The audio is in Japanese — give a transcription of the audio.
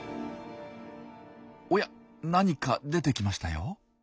おや何か出てきましたよ。